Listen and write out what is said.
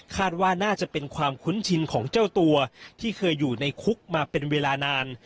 ว่าน่าจะเป็นความคุ้นชินของเจ้าตัวที่เคยอยู่ในคุกมาเป็นเวลานาน